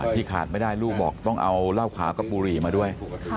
พี่ขาดไม่ได้ลูกบอกต้องเอาเหล้าขากะปุรีมาด้วย